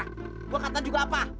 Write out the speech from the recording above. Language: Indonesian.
gua kata juga apa